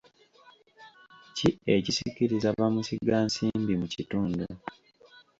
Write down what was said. Ki ekisikiriza bamusigansimbi mu kitundu?